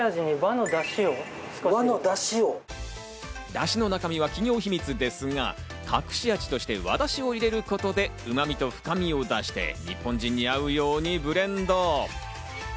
だしの中身は企業秘密ですが、隠し味として和だしを入れることでうま味と深みを出して日本人に合うようにブレンド。